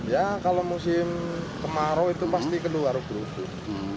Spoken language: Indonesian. ya kalau musim kemarau itu pasti kedua ubur ubur